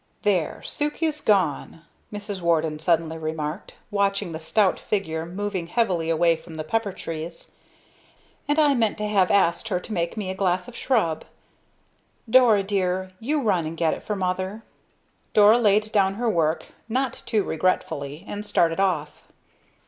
"There! Sukey's gone!" Mrs. Warden suddenly remarked, watching the stout figure moving heavily away under the pepper trees. "And I meant to have asked her to make me a glass of shrub! Dora, dear, you run and get it for mother." Dora laid down her work, not too regretfully, and started off.